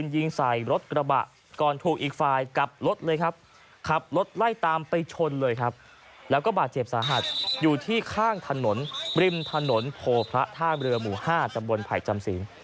อยู่ที่ข้างถนนริมถนนโพพระทางเรือหมู่๕จำบวนไผ่จำศี